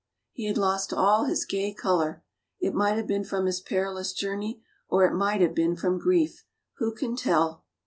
He had lost all his gay colour; it might have been from his perilous journey, or it might have been from grief, who can tell